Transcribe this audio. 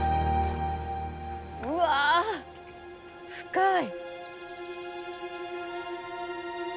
うわ深い。